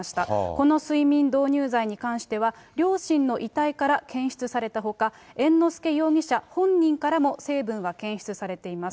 この睡眠導入剤に関しては、両親の遺体から検出されたほか、猿之助容疑者本人からも成分が検出されています。